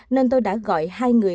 nên tôi đã gọi hai người